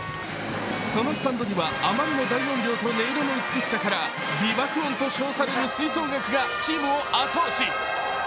そのスタンドには、あまりの大音量と音色の美しさから美爆音と称される吹奏楽がチームを後押し。